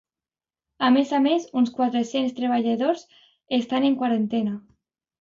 A més a més, uns quatre-cents treballadors estan en quarantena.